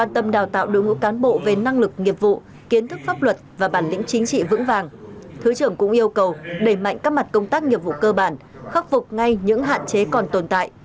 thứ trưởng cũng yêu cầu đẩy mạnh các mặt công tác nghiệp vụ cơ bản khắc phục ngay những hạn chế còn tồn tại